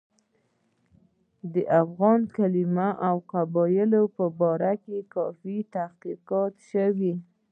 د افغان کلمې او قبایلو په باره کې کافي تحقیقات شوي.